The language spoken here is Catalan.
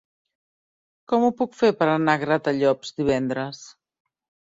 Com ho puc fer per anar a Gratallops divendres?